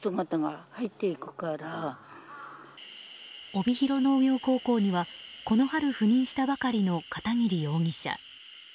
帯広農業高校にはこの春赴任したばかりの片桐容疑者。